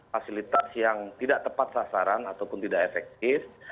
fasilitas yang tidak tepat sasaran ataupun tidak efektif